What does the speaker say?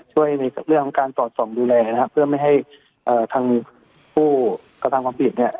ช่วยในเรื่องของการตอบส่องดูแลเพื่อไม่ให้ทางหู้กระทั่งความปิด